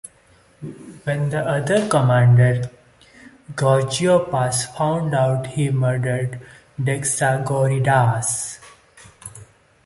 When the other commander Gorgopas found out he murdered Dexagoridas.